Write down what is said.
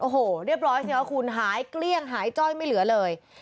โอ้โหเรียบร้อยสิคะคุณหายเกลี้ยงหายจ้อยไม่เหลือเลย